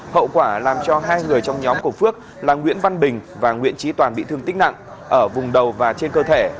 hậu quả làm cho hai người trong nhóm của phước là nguyễn văn bình và nguyễn trí toàn bị thương tích nặng ở vùng đầu và trên cơ thể